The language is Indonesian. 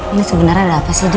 ini sebenernya ada apa sih jun